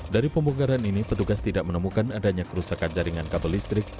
dari pembongkaran ini petugas tidak menemukan adanya kerusakan jaringan kabel listrik